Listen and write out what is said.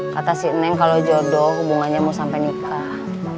kata si neng kalo jodoh hubungannya mau sampe nikah